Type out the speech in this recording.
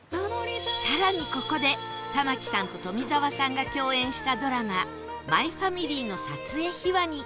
更にここで玉木さんと富澤さんが共演したドラマ『マイファミリー』の撮影秘話に